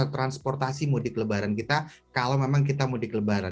transportasi mudik lebaran kita kalau memang kita mudik lebaran